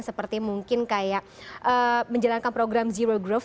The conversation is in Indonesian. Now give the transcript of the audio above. seperti mungkin kayak menjalankan program zero growth